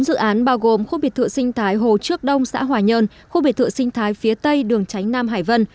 bốn dự án bao gồm khu biệt thựa sinh thái hồ trước đông xã hòa nhơn khu biệt thựa sinh thái phía tây đường tránh nam hải vân